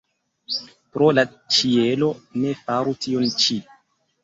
Pro la ĉielo, ne faru tion ĉi!